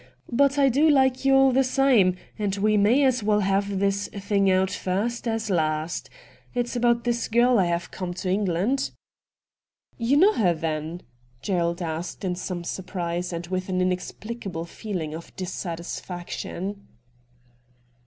Bat I do like you all the same — and we may as well have this thing out first as last. It's about this girl I have come to England.' ' You know her then ?' Gerald asked in some surprise and with an inexplicable feeling of dissatisfaction.